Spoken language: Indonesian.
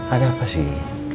ada apa sih